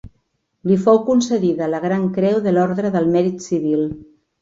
Li fou concedida la Gran Creu de l'Orde del Mèrit Civil.